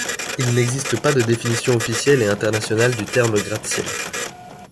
Il n'existe pas de définition officielle et internationale du terme gratte-ciel.